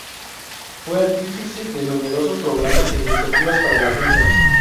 Fue artífice de numerosos programas e iniciativas para la agencia.